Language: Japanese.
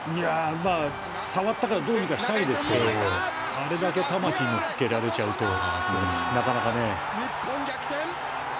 触れたらどうにかできますけどあれだけ魂のっけられちゃうとなかなかね。